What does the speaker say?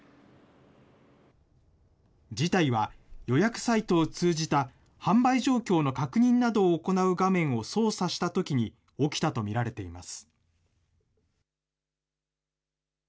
事態は予約サイトを通じた販売状況の確認などを行う画面を操作したときに起きたと見られています。